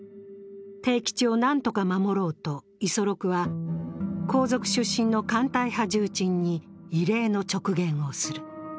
悌吉を何とか守ろうと五十六は、皇族出身の艦隊派重鎮に異例の直言をする。